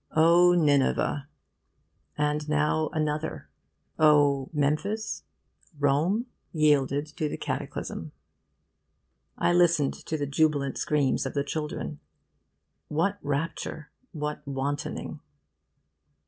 O Nineveh! And now another O Memphis? Rome? yielded to the cataclysm. I listened to the jubilant screams of the children. What rapture, what wantoning!